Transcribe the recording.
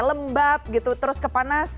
lembab gitu terus kepanas